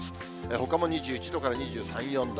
ほかも２１度から２２、３度。